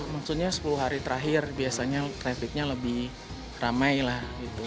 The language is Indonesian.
nanti ya maksudnya sepuluh hari terakhir biasanya trafficnya lebih ramai lah gitu